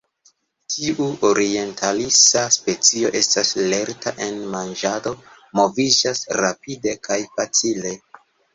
Tiu orientalisa specio estas lerta en naĝado, moviĝas rapide kaj facile.